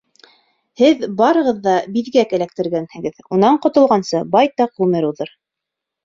Һеҙ барығыҙ ҙа биҙгәк эләктергәнһегеҙ, унан ҡотолғансы байтаҡ ғүмер уҙыр.